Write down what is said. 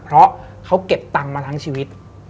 เพราะเขาเก็บตังค์มาทั้งชีวิต